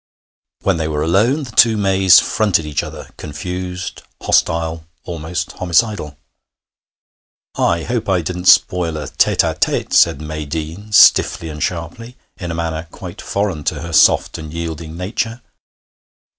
When they were alone, the two Mays fronted each other, confused, hostile, almost homicidal. 'I hope I didn't spoil a tête à tête,' said May Deane, stiffly and sharply, in a manner quite foreign to her soft and yielding nature.